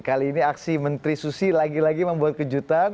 kali ini aksi menteri susi lagi lagi membuat kejutan